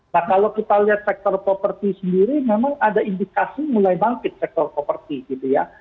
nah kalau kita lihat sektor properti sendiri memang ada indikasi mulai bangkit sektor properti gitu ya